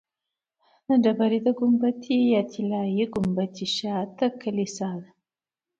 د ډبرې د ګنبد یا طلایي ګنبدې شاته د کلیسا ده.